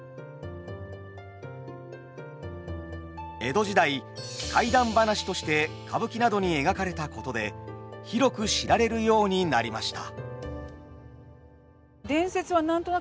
江戸時代怪談話として歌舞伎などに描かれたことで広く知られるようになりました。